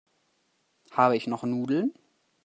Habe ich noch Nudeln?